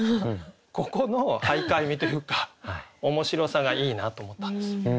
ここの俳諧味というか面白さがいいなと思ったんですよ。